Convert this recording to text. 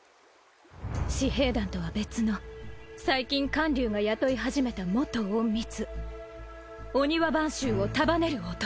私兵団とは別の最近観柳が雇い始めた元隠密御庭番衆を束ねる男。